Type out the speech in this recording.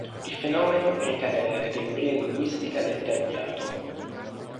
Il fenomeno ricade nella categoria linguistica detta iato.